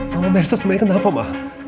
mama merasa semangat kenapa